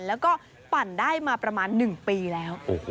แล้วก็ปั่นได้มาประมาณ๑ปีแล้ว